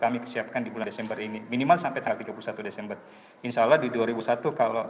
kami kesiapkan di bulan desember ini minimal sampai tanggal tiga puluh satu desember insyaallah di dua ribu satu kalau